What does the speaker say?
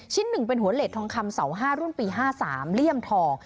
๑เป็นหัวเห็ดทองคำเสา๕รุ่นปี๕๓เลี่ยมทอง